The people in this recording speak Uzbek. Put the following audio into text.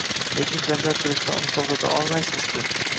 Lekin janjal qilishdan uni to`xtata olmaysiz-ku